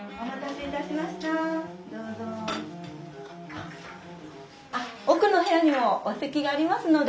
あっ奥の部屋にもお席がありますので。